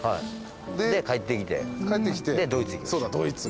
で帰ってきてでドイツ行きました。